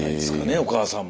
お母さんも。